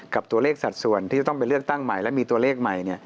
กับตัวเลขสัดส่วนที่จะต้องไปเลือกตั้งใหม่และมีตัวเลขใหม่